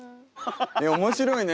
面白いね。